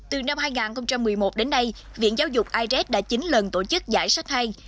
từ năm hai nghìn một mươi một đến nay viện giáo dục irs đã chín lần tổ chức giải sách hay